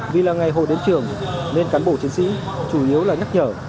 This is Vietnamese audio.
vì là ngày hội đến trường nên cán bộ chiến sĩ chủ yếu là nhắc nhở